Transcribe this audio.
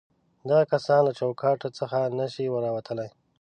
دغه کسان له چوکاټونو څخه نه شي راوتلای.